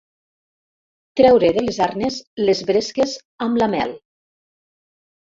Treure de les arnes les bresques amb la mel.